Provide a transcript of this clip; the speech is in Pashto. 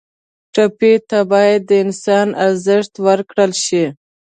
ټپي ته باید د انسان ارزښت ورکړل شي.